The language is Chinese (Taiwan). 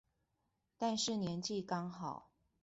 但是年紀剛好